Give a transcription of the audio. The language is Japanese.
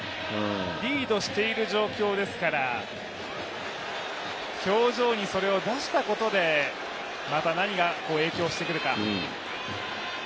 リードしている状況ですから、表情にそれを出したことでまた何が影響してくるか。